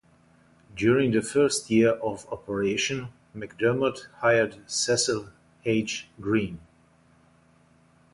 During the first year of operation McDermott hired Cecil H. Green.